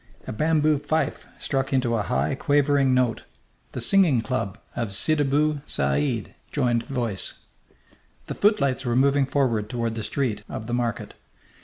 A bamboo fife struck into a high, quavering note. The singing club of Sidibou Sa d joined voice. The footlights were moving forward toward the street of the market.